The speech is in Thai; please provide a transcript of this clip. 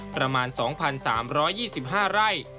ประมาณ๒๓๒๕ไร่